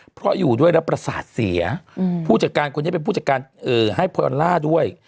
เพราะอยู่ด้วยแล้วประสาทเสียผู้จัดการคนนี้เป็นผู้จัดการให้พอออลล่าด้วย